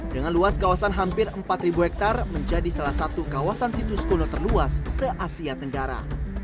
dengan luas kawasan hampir empat hektare menjadi salah satu kawasan situs kuno terluas se asia tenggara